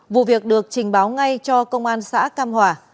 vụ việc được trình báo ngay cho công an xã cam hòa